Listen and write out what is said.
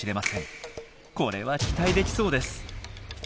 これは期待できそうです。